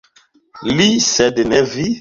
Li, sed ne vi!